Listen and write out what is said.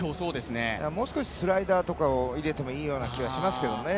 もう少しスライダーとかを入れてもいいような気がしますけどね。